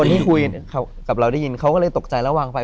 ที่คุยกับเราได้ยินเขาก็เลยตกใจแล้ววางไฟ